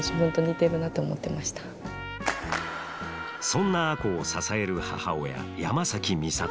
そんな亜子を支える母親山崎美里。